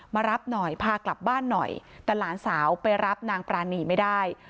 มารับหน่อยพากลับบ้านหน่อยแต่หลานสาวไปรับนางปรานีไม่ได้